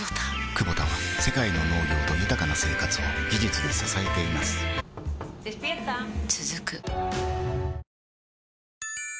クボタは世界の農業と豊かな生活を技術で支えています起きて。